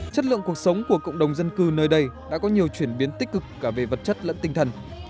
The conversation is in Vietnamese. chất lượng cuộc sống của cộng đồng dân cư nơi đây đã có nhiều chuyển biến tích cực cả về vật chất lẫn tinh thần